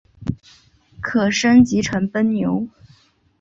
可升级成奔牛。